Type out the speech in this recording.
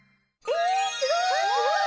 えすごい！